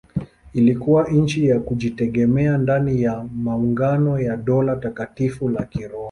Ilikuwa nchi ya kujitegemea ndani ya maungano ya Dola Takatifu la Kiroma.